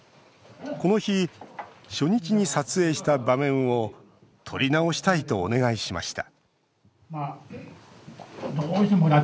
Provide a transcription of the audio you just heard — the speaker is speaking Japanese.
この日、初日に撮影した場面を撮り直したいと、お願いしました。